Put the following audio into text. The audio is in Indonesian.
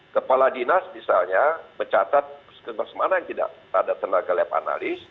kepala dinas misalnya mencatat sekelas mana yang tidak ada tenaga lab analis